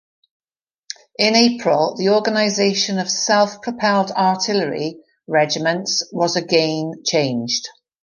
In April, the organization of self-propelled artillery regiments was again changed.